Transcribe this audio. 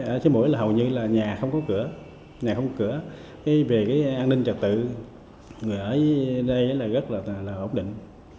ở sớm mũi là hầu như là nhà không có cửa về cái an ninh trật tự người ở đây là rất là ổn định